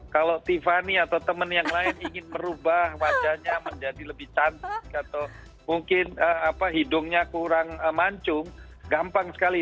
kalau tiffany atau teman yang lain ingin merubah wajahnya menjadi lebih cantik atau mungkin hidungnya kurang mancung gampang sekali